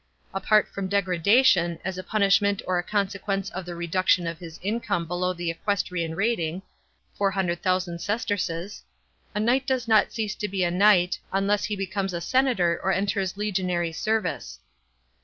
Apart from degradation, as a punishment or as a consequence of the reduction of his incomt, below the equestrian rating (400,000 sesterces), a knight does not cease to be a. knight, unless he becomes a senator or enters It gionary service.